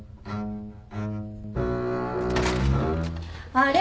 あれ？